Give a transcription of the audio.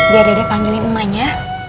biar adek panggilin emaknya